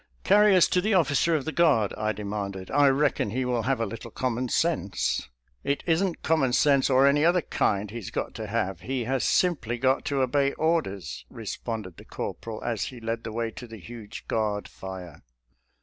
" Carry us to the officer of the guard," I de manded ;" I reckon he will have a little common sense." " It isn't common sense or any other kind he's got to have — ^he has simply got to obey or ders," responded the corporal as he led the way to the huge guard fire.